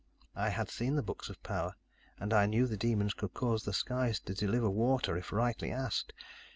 I had seen the books of power, and I knew the demons could cause the skies to deliver water if rightly asked.